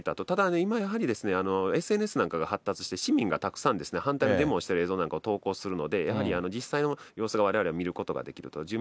ただ今やはり、ＳＮＳなんかが発達して市民がたくさん反対のデモをしている映像なんかを投稿するので、やはり、実際の様子がわれわれは見ることができると。